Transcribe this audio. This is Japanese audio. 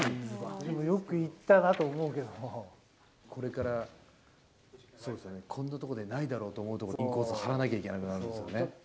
でもよくいったなと思うけどこれから、こんなところにないだろうと思うところに、インコース張らなきゃいけなくなるんですよね。